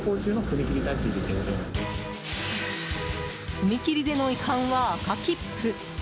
踏切での違反は赤切符。